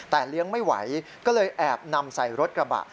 แต่เลี้ยงไม่ไหวก็เลยแอบนำใส่รถกระบะ